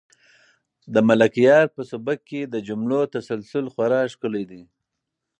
د ملکیار په سبک کې د جملو تسلسل خورا ښکلی دی.